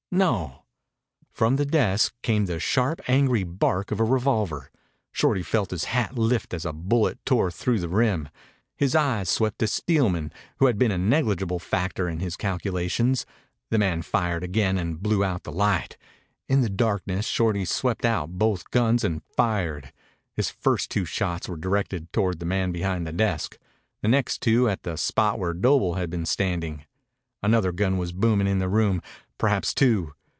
"No." From the desk came the sharp angry bark of a revolver. Shorty felt his hat lift as a bullet tore through the rim. His eyes swept to Steelman, who had been a negligible factor in his calculations. The man fired again and blew out the light. In the darkness Shorty swept out both guns and fired. His first two shots were directed toward the man behind the desk, the next two at the spot where Doble had been standing. Another gun was booming in the room, perhaps two.